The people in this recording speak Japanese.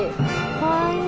かわいい。